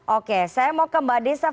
oke saya mau ke mbak desaf